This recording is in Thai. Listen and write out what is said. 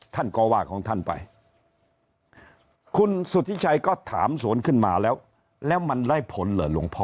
ท่านก็ว่าของท่านไปคุณสุธิชัยก็ถามสวนขึ้นมาแล้วแล้วมันได้ผลเหรอหลวงพ่อ